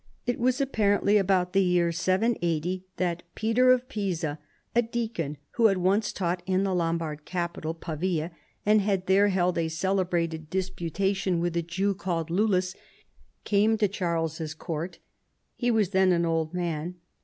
It was apparently about the year 780 that Peter of Pisa, a deacon who had once taught in the Lom bard capital. Pa via, and had there held a celebrated disputation with a Jew named Lullus, came to Charles's court. He was then an old man.